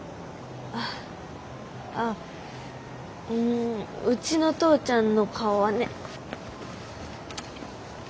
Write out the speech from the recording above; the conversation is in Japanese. ああっうんうちの父ちゃんの顔はね。